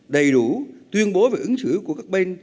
đầy đủ tuyên bố về ứng xử của các bên